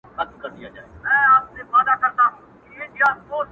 قسم کومه په اودس راپسې وبه ژاړې~